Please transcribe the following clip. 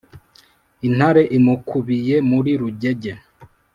Intare imukubiye muri Rugege.